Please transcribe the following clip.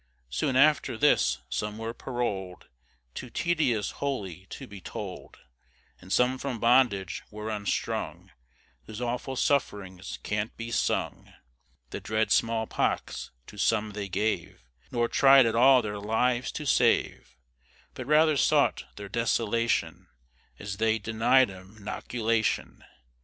Soon after this some were parol'd, Too tedious wholly to be told; And some from bondage were unstrung, Whose awful sufferings can't be sung. The dread smallpox to some they gave, Nor tried at all their lives to save, But rather sought their desolation, As they denied 'em 'noculation.